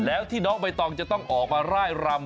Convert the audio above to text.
แล้วที่น้องใบตองจะต้องออกมาร่ายรำ